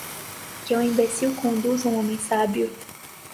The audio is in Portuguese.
que um imbecil conduza um homem sábio